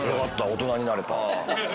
大人になれた。